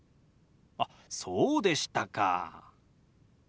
あっそうでしたか。